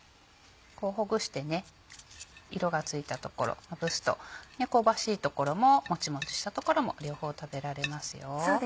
ほぐして色がついた所ほぐすと香ばしい所もモチモチした所も両方食べられますよ。